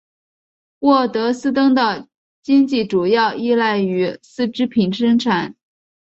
沃德斯登的经济主要依赖于丝织品生产。